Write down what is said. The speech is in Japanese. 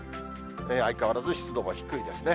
相変わらず湿度も低いですね。